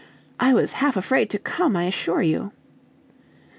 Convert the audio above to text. "I was half afraid to come, I assure you."